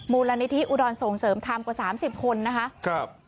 มูลณิธิอุดรณฑ์ส่งเสริมธรรมกว่าสามสิบคนนะคะครับ